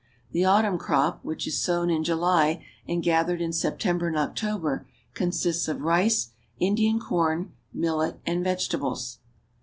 The autumn crop, which is sown in July and gathered in September and October, consists of rice, Indian corn, millet, and vegetables.